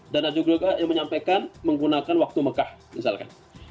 dan juga menyampaikan menggunakan waktu mekah misalkan